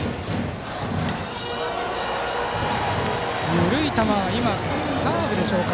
緩い球はカーブでしょうか。